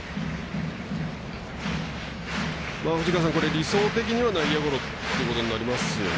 理想的には内野ゴロということになりますよね。